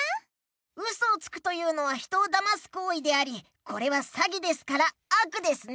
ウソをつくというのは人をだますこういでありこれはさぎですからあくですね。